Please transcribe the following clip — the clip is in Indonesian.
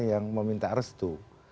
yang meminta restu